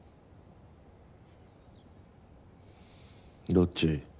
どっち？